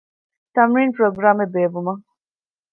ތަމްރީނު ޕްރޮގްރާމެއް ބޭއްވުމަށް